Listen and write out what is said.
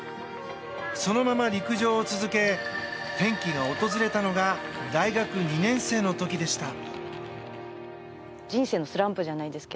そのまま陸上を続け転機が訪れたのが大学２年生の時でした。